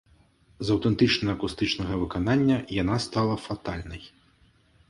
З аўтэнтычна-акустычнага выканання яна стала фатальнай.